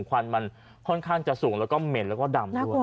ควันมันค่อนข้างจะสูงแล้วก็เหม็นแล้วก็ดำด้วย